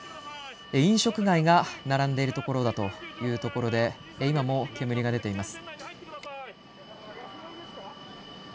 飲食街が並んでいるところだというところで今も煙が出ています。